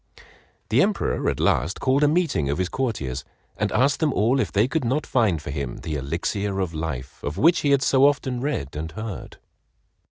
The Emperor at last called a meeting of his courtiers and asked them all if they could not find for him the "Elixir of Life" of which he had so often read and heard.